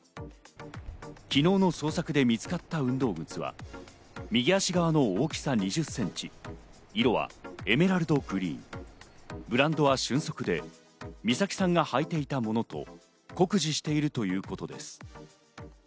昨日の捜索で見つかった運動靴は右足側の大きさ２０センチ、色はエメラルドグリーン、ブランドは瞬足で、美咲さんが入っていたものと酷似しているということです。